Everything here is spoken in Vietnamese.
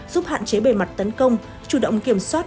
giúp hạn chế bề mặt tấn công chủ động kiểm soát